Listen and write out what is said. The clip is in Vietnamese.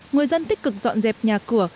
người dân tích cực dọn dẹp nhà cửa